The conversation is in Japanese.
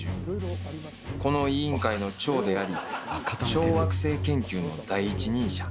この委員会の長であり小惑星研究の第一人者。